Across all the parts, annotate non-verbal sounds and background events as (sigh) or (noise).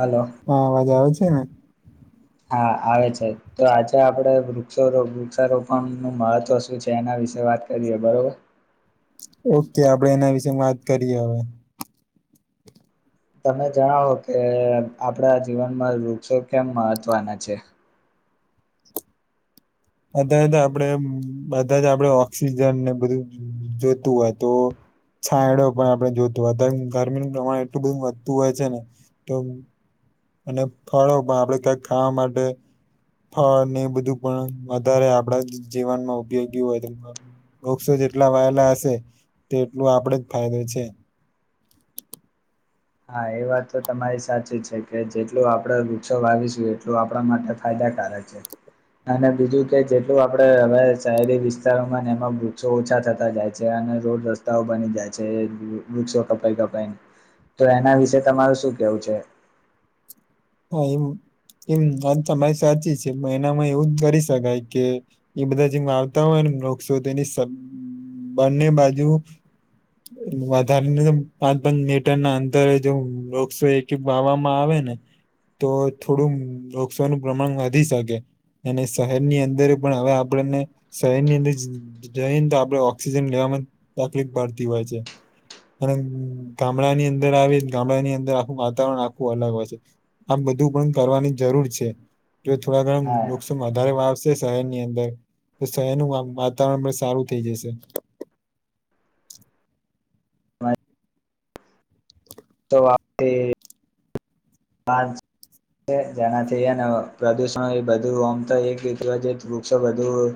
Hello અવાજ આવે છે ને. હા આવે છે, તો આજે આપડે વૃક્ષ વૃક્ષારોપણ નું મહત્વ શું છે. એના વિશે વાત કરીએ બરોબર. ઓ આપડે એના વિશે વાત કરીએ, હવે. તમે જણાવો કે આપણા જીવનમાં વૃક્ષો કેમ મહત્વના છે. અત્યારે તો આપણે બધા જ આપણેે ઓક્સિજન ને બધું જોઈતું હોય તો છાંયડો પણ આપણે જોઈતો હોઈ ગરમીનું પ્રમાણ એટલું બધું વધતું હોય છે ને, તો અને ફળો ભા આપડે ક્યાંક ખાવા માટે ફળને એ બધું પણ વધારે આપડા જીવનમાં ઉપયોગી હોય, ઓક્સિજ જેટલા વાયેલા હશે, તેટલું આપડે જ ફાયદો છે. (unintelligible) (inaudible) હા એ વાત તો તમારી સાચી છે, કે જેટલું આપડે વૃક્ષો વાવીશું એટલું આપણા માટે ફાયદા કારક છે. અને બીજું કે જેટલું આપડે હવે શહેરી વિસ્તારોમાં એમાં વૃક્ષો ઓછા થતા જાય છે. રોડ રસ્તાઓ બની જાય છે, વૃક્ષો કપાઈ કપાઈ. તો એના વિશે તમારું શું કેવું છે? હા એવુ, કેવી રીત આ વાત તમારી સાચી છે, પણ એનામાં એવું જ કરી શકાય કે એ બધા જેમ આવતા હોય ને નોકશો તેની, બંને બાજુ વધારેને પાંચ પાંચ મીટર ના અંદર જો વૃક્ષો એક વાવામાં આવે ને તો થોડું વૃક્ષોનું પ્રમાણ વધી શકે. અને શહેરની અંદર પણ હવે આપણને શહેરની અંદર જઈ ને તો આપડે ઓક્સિજન લેવાવામાં તકલીફ પડતી હોય છે. અને ગામડાની અંદર આવેલ ગામડાની અંદર આખું વાતાવરણ આખું અલગ હોય છે. આમ બધું પણ કરવાની જરૂર છે. જો થોડા હા ઘણા વૃક્ષો વધારે વાવશે શહેરની અંદર તો શહેરનું વાતાવરણ પણ સારું થઈ જશે. (inaudible) સવા (unintelligible) પાંચ, જેનાથી હે ન પ્રદુષણ એ બધું આમ થઈ ગ્યું તું અજુતો આ વૃક્ષો બધું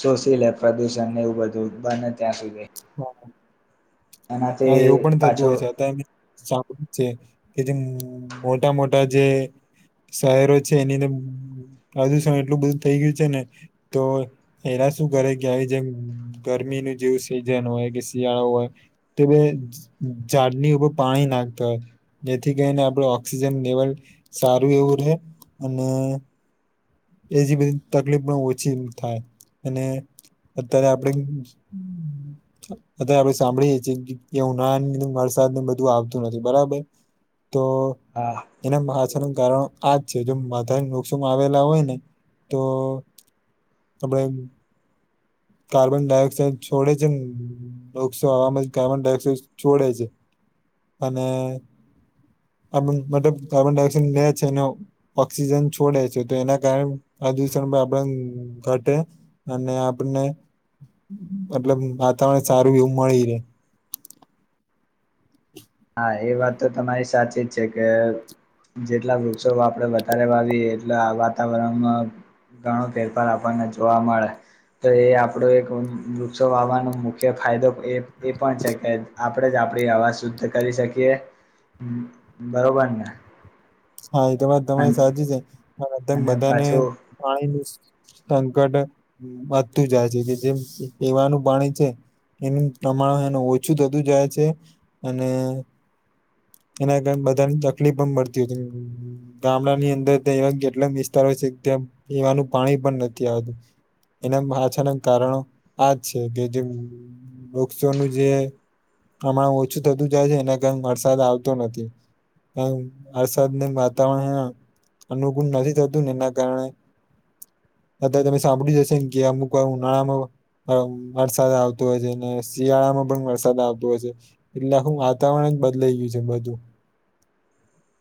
શોષી લે પ્રદુષણને એવું બધું બને ત્યાં સુધી. હા, એનાથી હા, એવું પણ થતું પાછું હોય છે અત્યારે સાંભળ્યું છે. કે જે મોટા મોટા જે શહેરો છે એની અંદર પ્રદુષણ એટલું બધું થઈ ગયું છે ને, તો (unintelligible) શું કરે કે ક્યાય જય ગર મીન જેવું સિઝન હોય કે, શિયાળો હોય. કે બેન ઝાડની ઉપર પાણી નાખતા હોય. જેથી કરીને આપણે ઓક્સિજન લેવલ સારું એવું રહે અને. એજી બધી તકલીફ પણ ઓછી થાય અને અત્યારે આપણે- અત્યારે આપણે સાંભળીએ છીએ. ઉનાળાના વરસાદને બધું આવતું નથી, બરાબર? તો હા તેનામા છે ને કારણ આજ છે જો માથાના વૃક્ષોમાં આવેલા હોય ને તો આપણે હ (unintelligible) કાર્બન ડાયોક્સાઇડ છોડે છે, વૃક્ષો હવામાં કાર્બન ડાયોક્સાઇડ છોડે છે. અને- આપણ મતલબ કાર્બન ડાયોક્સાઇડ લે છે અને ઓક્સિજન છોડે છે, તો એને આ પદૂષણ આપણ ઘટે અને આપણને મતલબ, વાતાવરણ સારું એવું મળી રહેે. (inaudible) હા, એ વાત તો તમારી સાચી જ છે કે જેટલા વૃક્ષો આપણે વધારે વાવીએ એટલા વાતાવરણમાં ઘણો ફેરફાર આપણને જોવા મળે. તો એ આપણો એક વૃક્ષો વાવાનો મુખ્ય ફાયદો એ પણ છે કે આપણે આપણી અવાજ શુદ્ધ કરી શકીએ, બરોબર ને. હા, એ તો વાત તમારી સાચી છે. અને બધાને પાછું પાણી સંકટ વધતું જાય છે કે, જેમ પીવાનું પાણી છે. એનું તમારનું ઓછું થતું જાય છે અને એના કારણ બધાની તકલીફ પણ પડતી હતી. (unintelligible) ગામડાની અંદર ત્યા એવા કેટલા વિસ્તારો છે, ત્યાં પીવાનું પાણી પણ નથી આવતું. એના પાછાના કારણો આજ છે કે જે વૃક્ષોનું જે હમણા ઓછું થતું જાય છે, એને કેમ વરસાદ આવતો નથી. વાતાવરણ અનુકૂળ નથી થતું, એના કારણે અત્યારે તમે સાંભળ્યું જશે ને કે અમુક ઉનાળામાં અ વરસાદ આવતો હોય છે અને શિયાળામાં પણ વરસાદ આવતો હોય છે, એટલે આખું વાતાવરણ બદલાઈ ગયું છે બધું. (unintelligible)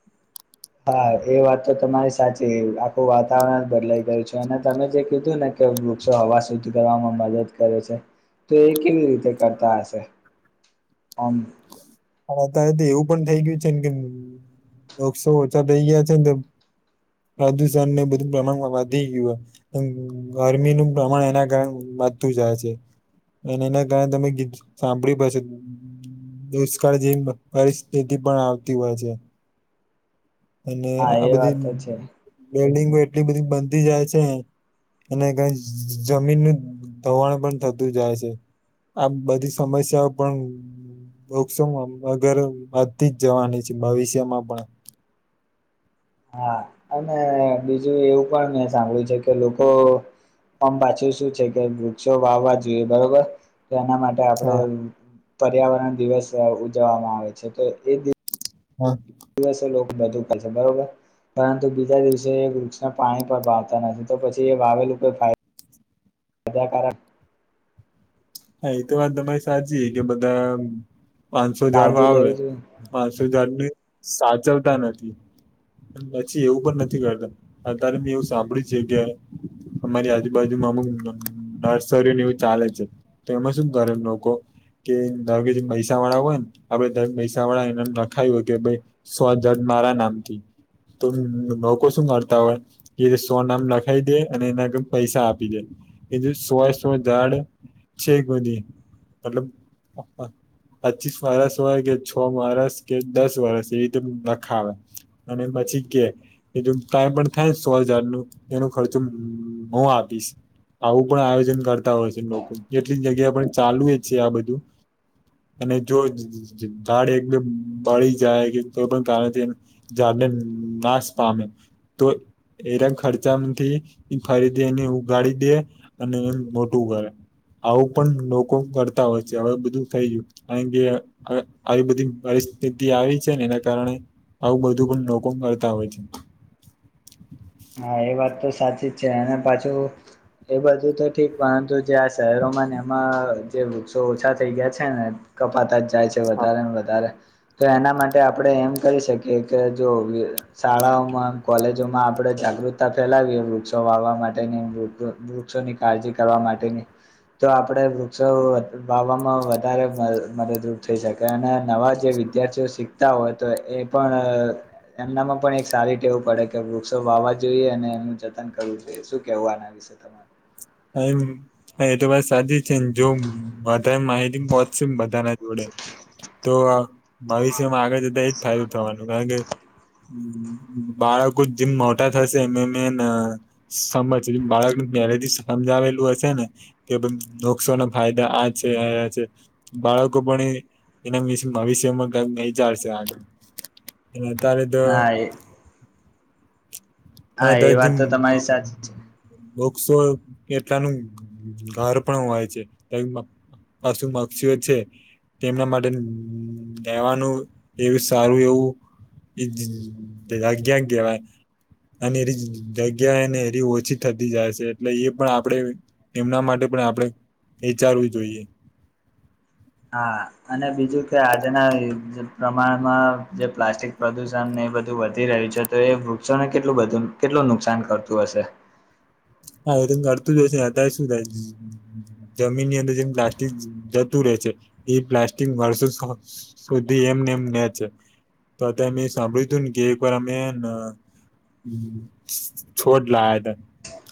હા, એ વાત તો તમારી સાચી. આખું વાતાવરણ જ બદલાઈ ગયું છે અને તમે જે કીધું ને કે વૃક્ષો હવા શુદ્ધ કરવામાં મદદ કરે છે, તો એ કેવી રીતે કરતા હશે? આમ પણ અત્યારે તો એવું પણ થઈ ગયું છે ને કે વક્ષો ઓછા થઈ ગયા છે ને પ્રદુષણને બધું પ્રમાણમાં વધી ગયું ગરમીનું પ્રમાણ એના કારણે. માથું જાય છે અને એના કારણે તમે ગીત સાંભળવા પડશે. દુષકાળ જે પરિસ્થિતિ પણ આવતી હોય છે. અને હા આ એ બધી વાત તો છે બિલ્ડિંગો એટલી બધી બનતી જાય છે. અને કંઈ જમીનનું ધવાણ પણ થતું જાય છે. આ બધી સમસ્યાઓ પણ બ શું અગર આજથી જ જવાની છે, ભાવિષ્યમાં પણ? હા, અને બીજું એવું પણ મેં સાંભળ્યું છે કે લોકો પણ પાછું શું છે કે વૃક્ષો વાવવા જોઈએ, બરોબર. તેના માટે આપડે હા પર્યાવરણ દિવસ ઉજવવામાં આવે છે, તો એ. હા. દિવસે લોકો બધું કરશે, બરોબર. પરંતુ બીજા દિવસે એ વૃક્ષના પાણી પર વાવતા નથી, તો પછી એ વાવેલું કોઈ ફાયદો. એના કારણે હા, એ તો વાત તમારી સાચી કે બધા. પાંચસો ઝાડ કાળજી વાવે, લેવી જોઈએ પાંચસો ઝાડ ની સાચવતા નથી. પછી એવું પણ નથી કરતા. અત્યારે મેં એવું સાંભળ્યું છે કે અમારી આજુબાજુ. અમુક નર્સરીને એવું ચાલે છે, તો એમાં શું કરે લોકો? કે તાવીરી પૈસાવાળા હોય ન આપડે તરત પૈસાવાળા એને લખાયું હોય કે ભઈ સો હ મારા નામથી તો લોકો શું મળતા હોય એ સો નામ લખાઈ દે અને એના આગળ પૈસા આપી દે. એજ સવાય સવારે ઝાડ છે બધી મતલબ પચ્ચીસ વરસ હોય કે છ વરસ કે દસ વરસ એવી રીતે લખાવે અને પછી કે એ કાઈ પણ થાય સો હજારનું એનો ખર્ચો હું આપીશ. આવું પણ આયોજન કરતાં હોય છે લોકો કેટલીક જગ્યા પર ચાલુય છે આ બધું. અને જો ઝાડ એકદમ બળી જાય કે કોઈ પણ કારણથી ને નાશ પામે તો એરા ખર્ચામાંથી ફરીથી એને ઉગાડી દે અને મોટું કરે. આવું પણ લોકો કરતાં હોય છે હવે બધું થઈ ગયું કારણ કે આવી બધી બ સ્થિતિ આવી છે ને એના કારણે આવું બધું પણ લોકો કરતાં હોય છે. હા એ વાત તો સાચી જ છે અને પાછું એ બધું તો ઠીક પરંતુ જે આ શહેરોમાં ને એમાં જે વૃક્ષો ઓછા થઈ ગયા છે ને કપાતા જ જાય છે વધારે ને વધારે. તો એના માટે આપડે એમ કરી શકીએ કે જો શાળાઓમાં, કોલેજોમાં આપણે જાગૃતતા ફેલાવીએ વૃક્ષો વાવવા માટેની વૃક્ષોની કાળજી કરવા માટેની. તો આપણે વૃક્ષો વાવવામાં વધારે મદ મદદરૂપ થઈ શકે અને નવા જે વિદ્યાર્થીઓ શીખતા હોય તો એ પણ એમનામાં પણ એક સારી ટેવ પડે કે વૃ ક્ષો વાવવા જોઈએ અને એનું જતન કરવું જોઈએ શું કેવું આના વિશે તમારે? હ એ તો વાત સાચી જ છે ને જો વધારે માહિતી તી પહોંચશે ને બધાના જોડે તો આ ભવિષ્યમાં આગળ જતા એજ ફાયદો થવાનું કારણ કે બાળકો જેમ મોટા થશે એમ એમને સમજ બાળકને ઘેરેથી સમજાવેલું હશે ને કે નકસોના ફાયદા આ છે આ છે બાળકો પણ એ એના મ ભવિષ્યમાં ગઈ વિચારશે આગળ વઘારે તો હા એ હા વધારે એ જીમ વાત તો બવ તમારી સાચી છે વૃક્ષો કેટલાનું ઘર પણ હોય છે. પશુ પક્ષીઓ છે તેમના માટે રહેેવાનું એવી સારું એવું તે જ જગ્યા કહેવાય. અને એ જગ્યાએને એ ઓછી થતી જાય છે એટલે એ પણ આપડે એમના માટે પણ આપણે વિચારવું જોઈએ. હા અને બીજું કે આજના પ્રમાણમાં જે પ્લાસ્ટિક પ્રદૂષણને બધું વધી રહ્યું છે તો એ વૃક્ષોને કેટલું બધું કેટલું નુકસાન કરતું હશે. હા એ તો કરતું જ હશે અતાર શું થાય ઝ જમીનની અંદર જેમ પ્લાસ્ટિક જતું રહે છે એ પ્લાસ્ટિક વર્ષો સ સુધી એ એમને એમ રે છે તો અત્યાર મે સાંભળ્યું તું ને કે એક વાર અમે હેન હ છોડ લાયા હતા.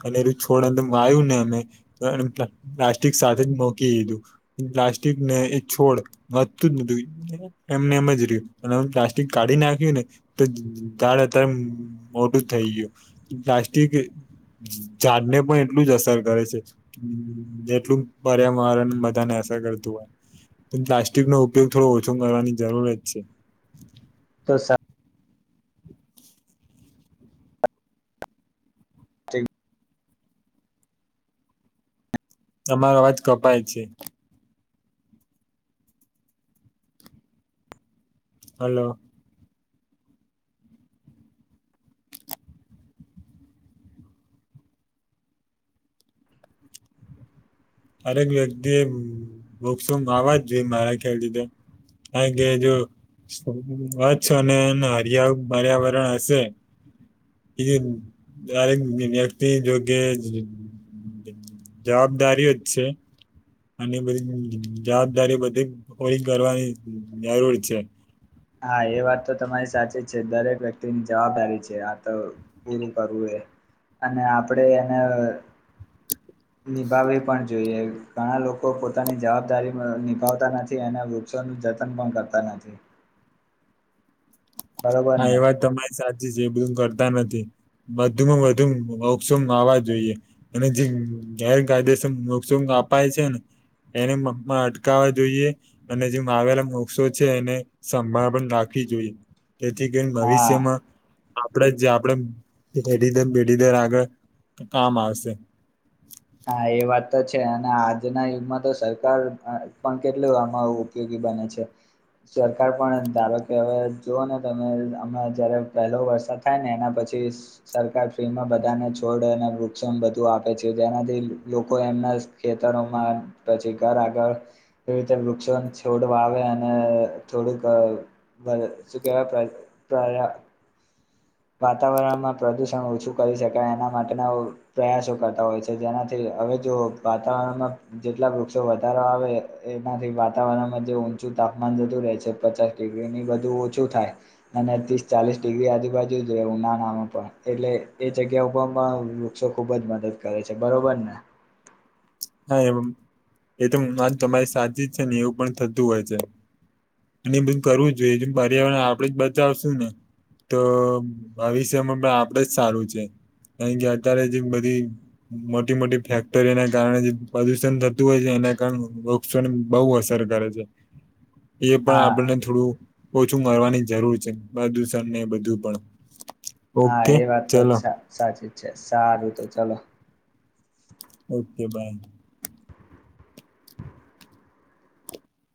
અને એરુ છોડ અંદર વાયું ને અમે તો એન પ્લાસ્ટિક સાથે જ મોકી દીધું પ્લા પ્લાસ્ટિકને એ છોડ વધતું જ નતુ એમને એમ જ રહ્યું અને પ્લાસ્ટિક કાઢી નાખ્યું. તો તાર અત્યારે મોટું થઈ ગયું પ્લાસ્ટિક જાડને પણ એટલું જ અસર કરે છે. જેટલું પર્યાવરણ બધાને અસર કર પણ પ્લાસ્ટિક નો ઉપયોગ થોડો ઓછો કરવાની જરૂરત છે. તો સા છે. તમારો અવાજ કપાય છે. હલો. દરેક વ્યક્તિ વૃક્ષો વાવવા જ જોઈ મારા ખ્યાલથી. (unintelligible) વા અને એ હરિયાળ પર્યાવરણ હશે. (inaudible) વ્યક્તિ યોગ્ય. જવાબદારીઓ જ છે. આ બધી જવાબદારી બધી પરી કરવાની જરૂર છે. હા એ વાત તો તમારી સાચી જ છે દરેક વ્યક્તિની જવાબદારી છે. આ તો પૂરી કરવું એ અને આપડે એને નિભાવવી પણ જોઈએ ઘણા લોકો પોતાની જવાબદારી નિભાવતા નથી અને વૃક્ષોનું જતન પણ કરતા નથી. બરોબર હા એ ને વાત તમારી સાચી છે એ બધું કરતા નથી. વધુમાં વધુ વૃક્ષો વાવવા જોઈએ અને જે ગેરકાયદેસર વૃક્ષો અપાય છે ને એને મમાં (unintelligible) અટકાવવા જોઈએ અને જે વાવેલા વૃક્ષો છે એને સંભાળ પણ રાખી. જોઈ તેથી કરી હા ભવિષ્યમાં આપણે જ આપણેે પેઢી દર પેઢી દર આગળ કામ આવશે. હા એ વાત તો છે અને આજના યુગમાં તો સરકાર પણ કેટલું આમાં ઉપયોગી બને છે. સરકાર પણ ધારો કે હવે જુઓ ને તમે હમણાં જયારે પહેલો વરસાદ થાય ને એના પછી પછી સરકાર ફ્રી માં બધાને છોડ અને વૃક્ષ બધું આપે છે. જેનાથી લોકો એમના ખેતરોમાં પછી ઘર આગળ રી (unintelligible) વૃક્ષો. છોડ વાવે અને થોડીક મને સુ કેવા પ્ર પ્રયા વાતાવરણમાં પ્રદુષણ ઓછું કરી શકાય એના માટેના પ્રયાસો કરતા હોય છે. જેનાથી હવે જો વાતાવરણમાં જેટલા વૃક્ષો વધારો આવે એનાથી વાતાવરણમાં ઊંચું તાપમાન જતું રહે છે પચાસ ડિગ્રીની બધું ઓછું થાય અને ત્રીસ ચાલીસ ડિગ્રી આજુબાજુ ઉનાળામાં પણ એટલે એ જગ્યા ઉપરમાં વૃક્ષો ખુબ જ મદદ કરે કરે છે. બરોબર ને? હા, એ એ તો આજ તમારી સાચી જ છે ને એવું પણ થતું હોય છે. અને એ બધ કરવું જોઈએજ પર્યાવરણ આપડે જ બચાવશું ને તો ભવિષ્યમાં પણ આપડે જ સારું છે. કારણ કે અત્યારે જે બધી મોટી મોટી ફેક્ટરીને કારણે પ્રદુષણ થતું હોય છે એના કારણે વક્ષને બહુ અસર કરે છે. એ પણ હા આપણને થોડું ઓછું મળવાની જરૂર છે. પ્રદૂષણ ને બધું પણ. હા, ઓકે એ વાત તો ચલો જ સાચી જ છે. સારું તો ચલો. Okay by.